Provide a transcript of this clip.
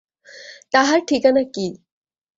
তাহার ঠিকানা কী।